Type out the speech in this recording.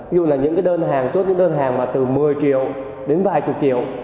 ví dụ là những đơn hàng chốt những đơn hàng từ một mươi triệu đến vài chục triệu